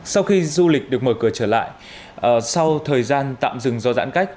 sau khi du lịch được mở cửa trở lại sau thời gian tạm dừng do giãn cách